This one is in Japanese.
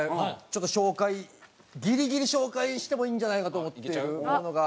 ちょっと紹介ギリギリ紹介してもいいんじゃないかと思っているものが。